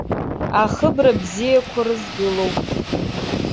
Ахыбра бзиақәа рызгылоуп.